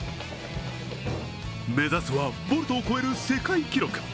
目指すはボルトを超える世界記録。